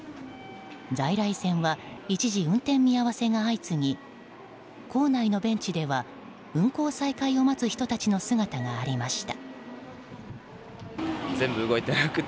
在来線は一時運転見合わせが相次ぎ構内のベンチでは運行再開を待つ人たちの姿がありました。